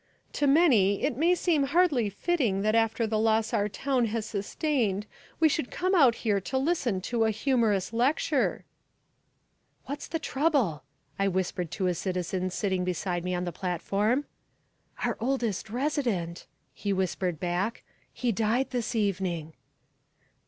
"To many it may seem hardly fitting that after the loss our town has sustained we should come out here to listen to a humorous lecture, ", "What's the trouble?" I whispered to a citizen sitting beside me on the platform. "Our oldest resident" he whispered back "he died this morning."